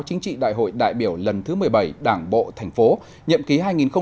chính trị đại hội đại biểu lần thứ một mươi bảy đảng bộ thành phố nhậm ký hai nghìn hai mươi hai nghìn hai mươi năm